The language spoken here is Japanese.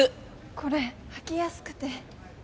これ履きやすくて。